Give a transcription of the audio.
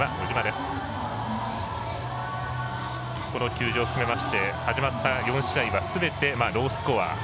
この球場含めまして始まった４試合はすべてロースコア。